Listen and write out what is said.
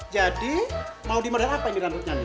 jadi mau di modern apa ini rambutnya nih